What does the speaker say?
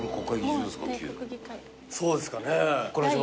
そうですかね。